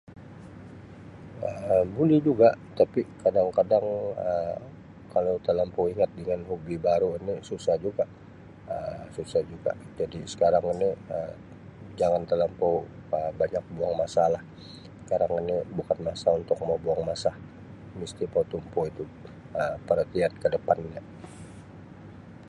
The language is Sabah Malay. Um buli juga tapi kadang-kadang Um kalau telampau [unintelligible] dengan hobi baru ni susah juga Um susah juga jadi sekarang ini Um jangan telampau Um banyak buang masa lah sekarang ini bukan masa untuk mau buang masa [unintelligible] Um perhatian ke depan nya.